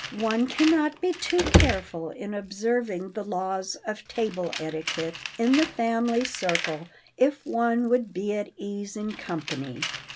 One can not be too careful in observing the laws of table etiquette in the family circle if one would be at ease in company.